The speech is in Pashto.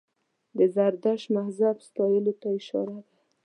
د زردشت مذهب ستایلو ته اشاره ده.